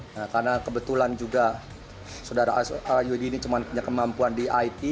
nah karena kebetulan juga saudara yudi ini cuma punya kemampuan di it